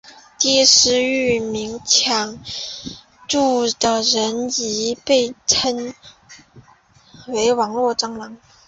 实施域名抢注的人亦被称为网路蟑螂。